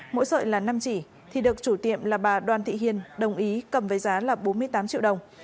mỗi sợi là năm chỉ thì được chủ tiệm là bà đoàn thị hiền đồng ý cầm với giá là bốn mươi tám triệu đồng